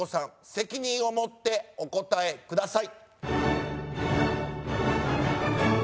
責任を持ってお答えください。